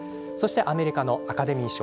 アメリカのアカデミー賞